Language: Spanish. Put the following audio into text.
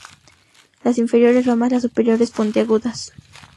Las inferiores romas, las superiores puntiagudas.